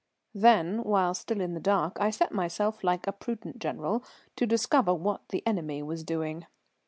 Then, while still in the dark, I set myself like a prudent general to discover what the enemy was doing.